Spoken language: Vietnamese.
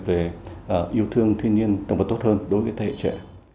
về yêu thương thiên nhiên động vật tốt hơn đối với các thầy trẻ